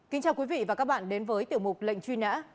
kính chào quý vị và các bạn đến với tiểu mục lệnh truy nã